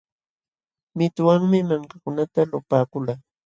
Mituwanmi mankakunata lupaakulqa.